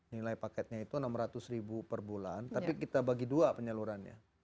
nilai paketnya itu rp enam ratus ribu per bulan tapi kita bagi dua penyalurannya